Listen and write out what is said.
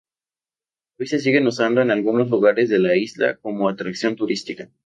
Hoy se siguen usando en algunos lugares de la isla como atracción turística.